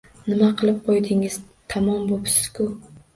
Nima qilib qo‘ydingiz, tamom bo‘psiz-ku!